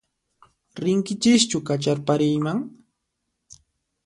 Rinkichischu kacharpariyman?